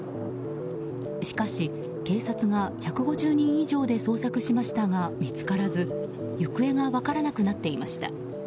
しかし、警察が１５０人以上で捜索しましたが見つからず行方が分からなくなっていました。